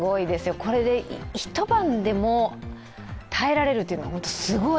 これで一晩でも耐えられるというのが、ホントにすごい。